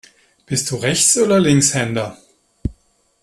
Bist du Rechts- oder Linkshänder?